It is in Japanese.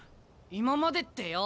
今までってよ